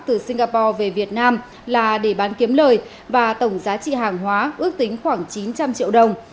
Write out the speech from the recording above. từ singapore về việt nam là để bán kiếm lời và tổng giá trị hàng hóa ước tính khoảng chín trăm linh triệu đồng